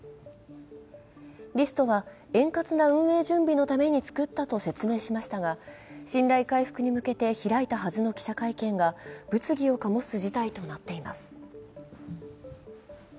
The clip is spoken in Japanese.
リストは円滑な運営準備のために作ったと説明しましたが信頼回復に向けて開いたはずの記者会見が物議を醸す事態となっています。